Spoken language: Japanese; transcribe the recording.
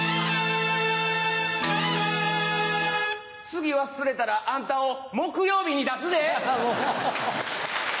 次忘れたらあんたを木曜日に出すで。